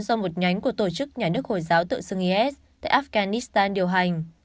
do một nhánh của tổ chức nhà nước hồi giáo tự xưng is tại afghanistan điều hành